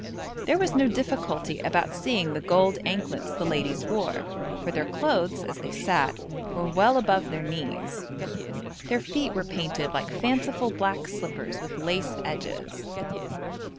There was no difficulty about seeing the gold anklets the ladies wore, for their clothes, as they sat, were well above their knees. Their feet were painted like fanciful black slippers with lace edges.